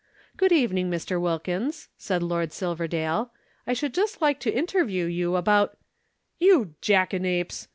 "Good evening, Mr. Wilkins," said Lord Silverdale. "I should just like to interview you about " "You jackanapes!"